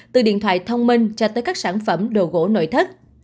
từ điện thoại thông minh cho tới các sản phẩm đồ gỗ nội thất